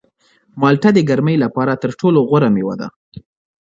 مالټه د ګرمۍ لپاره تر ټولو غوره مېوه ده.